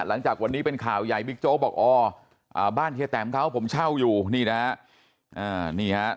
หลังจากวันนี้เป็นข่าวใหญ่บิ๊กโจ๊กบอกอ๋อบ้านเฮียแตมเขาผมเช่าอยู่นี่นะฮะ